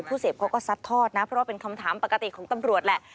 เสพเขาก็ซัดทอดนะเพราะว่าเป็นคำถามปกติของตำรวจแหละ